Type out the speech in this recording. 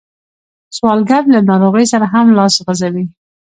سوالګر له ناروغۍ سره هم لاس غځوي